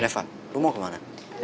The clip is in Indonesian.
lepas lu mau kemana